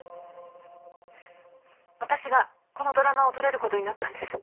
私がこのドラマを撮れる事になったんです。